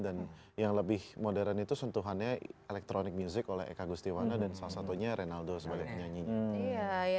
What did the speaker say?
dan yang lebih modern itu sentuhannya electronic music oleh eka gustiwana dan salah satunya rinaldo sebagai penyanyinya